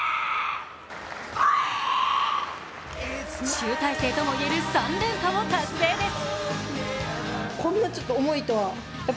集大成ともいえる３連覇を達成です。